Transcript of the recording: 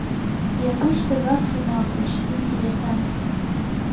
Япуш тыгак шоналтыш: «Интересан!»